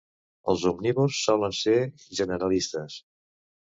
Els omnívors solen ser generalistes.